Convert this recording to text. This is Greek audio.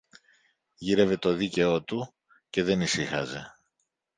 Γύρευε το δίκαιο του και δεν ησύχαζε!